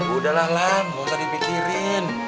udah lah lam gausah dipikirin